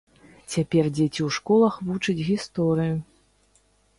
Цяпер дзеці ў школах вучаць гісторыю.